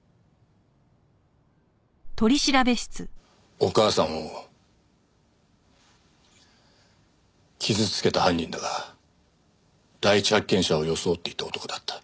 お母さんを傷つけた犯人だが第一発見者を装っていた男だった。